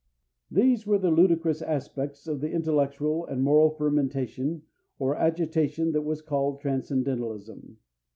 These were the ludicrous aspects of the intellectual and moral fermentation or agitation that was called Transcendentalism.